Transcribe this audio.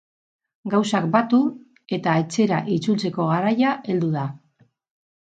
Gauzak batu eta etxera itzultzeko garaia heldu da.